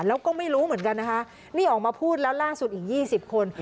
แล้วก็ไม่รู้เหมือนกันนะคะนี่ออกมาพูดแล้วล่าสุดอีก๒๐คน